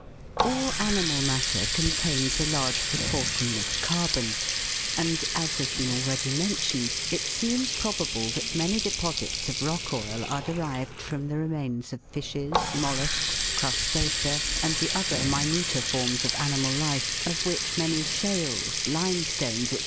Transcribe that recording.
All animal matter contains a large proportion of carbon ; and, as has been already mentioned, it seems probable that many deposits of rock oil are derived from the remains of fishes, mollusks, Crustacea, and the other minuter forms of animal life, of which many shales, limestones, &c.